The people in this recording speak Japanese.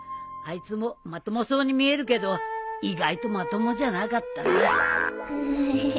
あいつもまともそうに見えるけど意外とまともじゃなかったな。